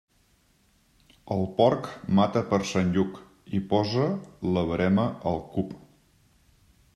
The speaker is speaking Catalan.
El porc mata per Sant Lluc i posa la verema al cup.